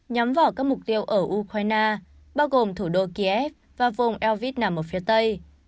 nhắm vỏ các mục tiêu ở ukraine bao gồm thủ đô kiev và vùng elvi nằm ở phía tây